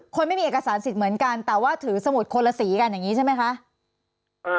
ไม่มีเอกสารสิทธิ์เหมือนกันแต่ว่าถือสมุดคนละสีกันอย่างนี้ใช่ไหมคะ